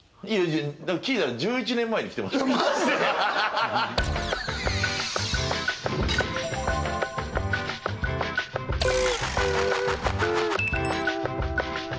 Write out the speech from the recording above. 聞いたら１１年前に来てましたマジで！？